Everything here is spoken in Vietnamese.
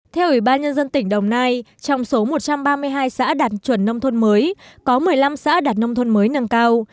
theo ủy ban nhân dân tỉnh đồng nai trong số một trăm ba mươi hai xã đạt chuẩn nông thôn mới có một mươi năm xã đạt nông thôn mới nâng cao